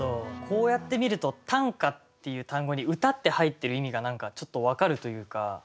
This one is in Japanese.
こうやって見ると「短歌」っていう単語に「歌」って入ってる意味が何かちょっと分かるというか。